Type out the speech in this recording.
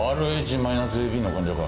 マイナスＡＢの患者か。